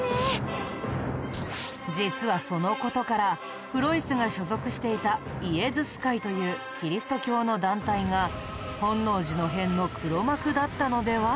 実はその事からフロイスが所属していたイエズス会というキリスト教の団体が本能寺の変の黒幕だったのでは？という説もあるくらいなんだ。